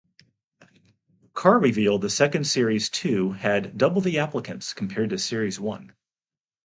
Carr revealed the second series two "had double the applicants" compared to series one.